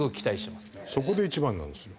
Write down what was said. そこで１番なんですよ